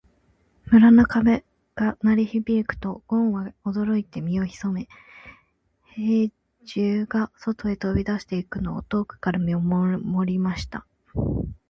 村の鐘が鳴り響くと、ごんは驚いて身を潜め、兵十が外へ飛び出していくのを遠くから見守りました。